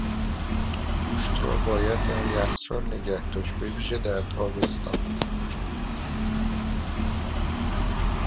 گوشت را باید در یخچال نگهداشت، به ویژه در تابستان.